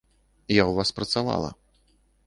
Я ў вас працавала.